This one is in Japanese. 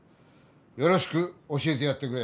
よろしく教えてやってくれ。